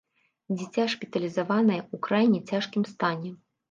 Дзіця шпіталізаванае ў крайне цяжкім стане.